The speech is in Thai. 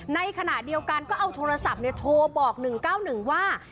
ในขณะเดียวกันก็เอาโทรศัพท์โทรบอก๑๙๑ว่า